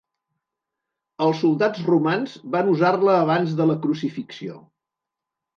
Els soldats romans van usar-la abans de la crucifixió.